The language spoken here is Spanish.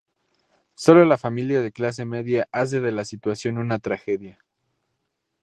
Sólo la familia de clase media hace de la situación una tragedia.